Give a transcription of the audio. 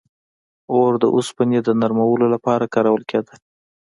• اور د اوسپنې د نرمولو لپاره کارول کېده.